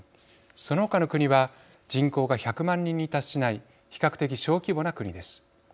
その他の国は人口が１００万人に達しない比較的小規模な国です。